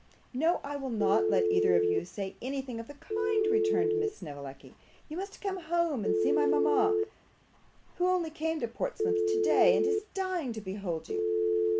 'No, I will not let either of you say anything of the kind,' returned Miss Snevellicci. 'You must come home and see mama, who only came to Portsmouth today, and is dying to behold you.